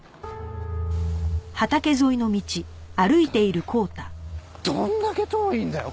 ったくどんだけ遠いんだよ